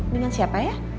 dengan siapa ya